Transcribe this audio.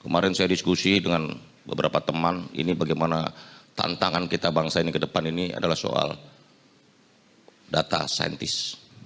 kemarin saya diskusi dengan beberapa teman ini bagaimana tantangan kita bangsa ini ke depan ini adalah soal data saintis